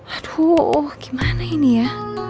aduh gimana ini ya